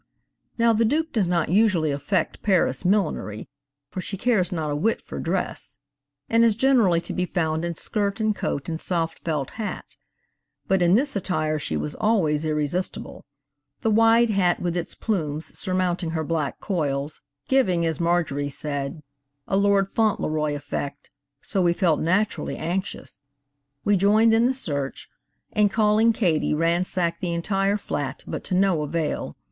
Now the Duke does not usually affect Paris millinery, for she cares not a whit for dress, and is generally to be found in skirt and coat and soft felt hat, but in this attire she was always irresistible; the wide hat with its plumes surmounting her black coils, giving, as Marjorie said, a Lord Fauntleroy effect, so we felt naturally anxious. We joined in the search, and calling Katie ransacked the entire flat, but to no avail.